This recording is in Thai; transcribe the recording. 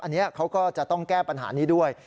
อันนี้เขาก็จะต้องแก้ปัญหานี้ด้วย